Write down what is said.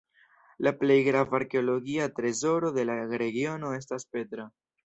La plej grava arkeologia trezoro de la regiono estas Petra.